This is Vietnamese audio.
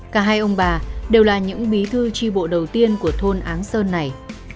cả hai ông bà đều là những bí thư tri bộ đầu tiên của thôn áng sơn này